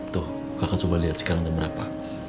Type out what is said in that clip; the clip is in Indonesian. tuh kakak coba liat sekarang udah berapa